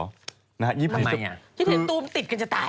นะฮะ๒๐๒๐ทำไมไงคือคิดเห็นตูมติดกันจะตาย